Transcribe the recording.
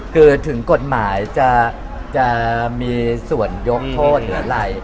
คือถึงกฎหมายจะมีส่วนยกโทษหรืออะไร